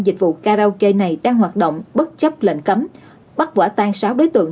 dịch vụ karaoke này đang hoạt động bất chấp lệnh cấm bắt quả tan sáu đối tượng